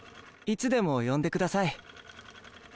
いつでも呼んで下さい。